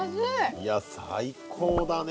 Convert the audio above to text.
いや最高だね。